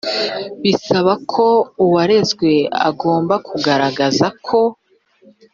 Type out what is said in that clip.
isaba kuba uwarezwe agomba kugaragaza ko